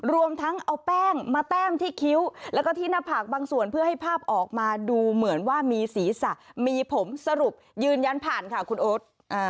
รวมทั้งเอาแป้งมาแต้มที่คิ้วแล้วก็ที่หน้าผากบางส่วนเพื่อให้ภาพออกมาดูเหมือนว่ามีศีรษะมีผมสรุปยืนยันผ่านค่ะคุณโอ๊ต